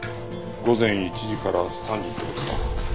午前１時から３時って事か。